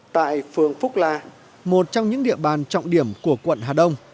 tại phường phúc lạ một trong những địa bàn trọng điểm của quận hà đông